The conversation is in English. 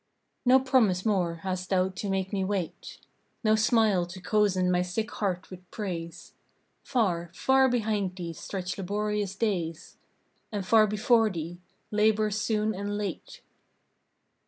No promise more hast thou to make me wait; No smile to cozen my sick heart with praise! Far, far behind thee stretch laborious days, And far before thee, labors soon and late.